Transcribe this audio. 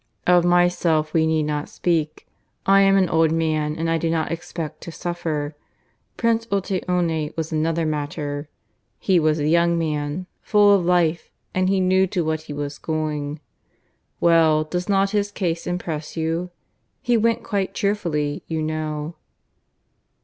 "Of myself we need not speak. I am an old man, and I do not expect to suffer. Prince Otteone was another matter. He was a young man, full of life; and he knew to what he was going. Well, does not his case impress you? He went quite cheerfully, you know."